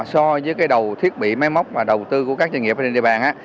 so với cái đầu thiết bị máy móc và đầu tư của các doanh nghiệp ở trên địa bàn á